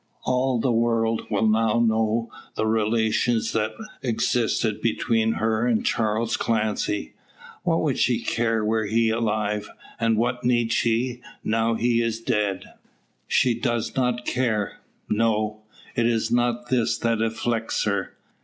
All the world will now know the relations that existed between her and Charles Clancy. What would she care were he alive? And what need she, now he is dead? She does not care no. It is not this that afflicts her.